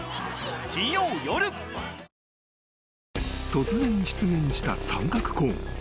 ［突然出現した三角コーン。